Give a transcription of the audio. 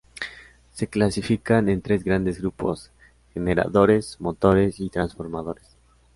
Se clasifican en tres grandes grupos: generadores, motores y transformadores.